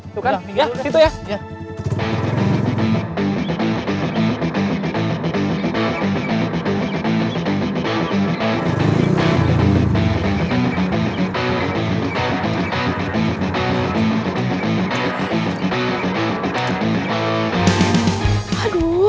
tuh kan ya situ ya